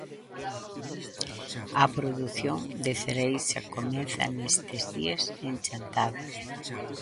A produción de cereixa comeza nestes días en Chantada.